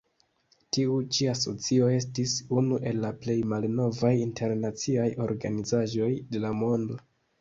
Tiu ĉi asocio estis unu el la plej malnovaj internaciaj organizaĵoj de la mondo.